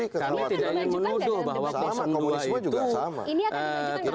kami tidak ingin menuduh bahwa dua itu